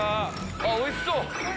おいしそう！